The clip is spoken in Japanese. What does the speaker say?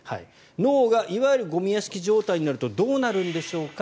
脳がいわゆるゴミ屋敷状態になるとどうなるんでしょうか。